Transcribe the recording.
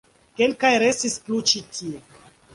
Kelkaj restis plu ĉi tie.